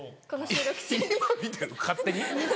勝手に。